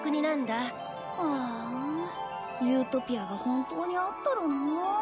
はあユートピアが本当にあったらな。